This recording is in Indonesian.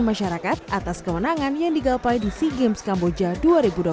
masyarakat atas kewenangan yang digapai di sea games kamboja dua ribu dua puluh tiga